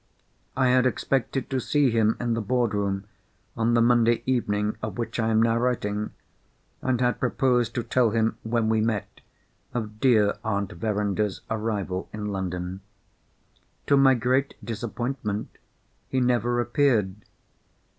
I had expected to see him in the boardroom, on the Monday evening of which I am now writing, and had proposed to tell him, when we met, of dear Aunt Verinder's arrival in London. To my great disappointment he never appeared.